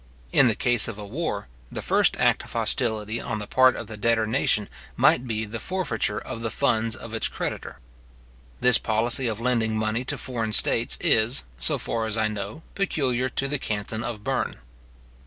In the case of a war, the very first act of hostility on the part of the debtor nation might be the forfeiture of the funds of its credit. This policy of lending money to foreign states is, so far as I know peculiar to the canton of Berne.